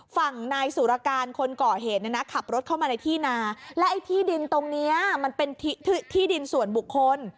ฝั่งนายสุรการคนก่อเหตุเนี่ยนะขับรถเข้ามาในที่นาและไอ้ที่ดินตรงนี้มันเป็นที่ดินส่วนบุคคล